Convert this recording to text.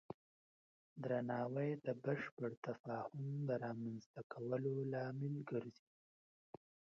درناوی د بشپړ تفاهم د رامنځته کولو لامل ګرځي.